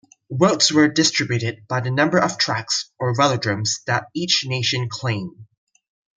Votes were distributed by the number of tracks, or velodromes, that each nation claimed.